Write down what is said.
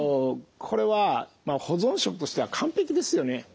これは保存食としては完璧ですよね。